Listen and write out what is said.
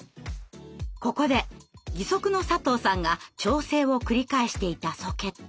ここで義足の佐藤さんが調整を繰り返していたソケット。